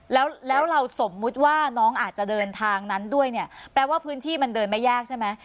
แล้วแล้วเราสมมุติว่าน้องอาจจะเดินทางนั้นด้วยเนี่ยแปลว่าพื้นที่มันเดินไม่ยากใช่ไหม